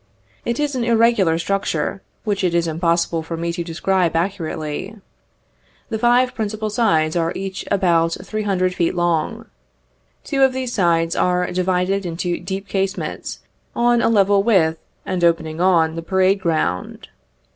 It is an irregular structure, which it is impossible for me to describe accurately. The five principal sides are each about three hundred feet long. Two of these sides are divided into deep casemates, on a level with, and opening on the parade ground.